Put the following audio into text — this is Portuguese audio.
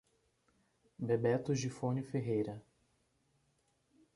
Bebeto Gifone Ferreira